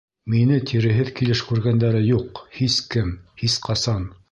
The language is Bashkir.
Мине тиреһеҙ килеш күргәндәре юҡ! һис кем, һис ҡасан!